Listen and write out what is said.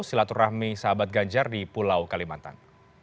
silaturahmi sahabat ganjar di pulau kalimantan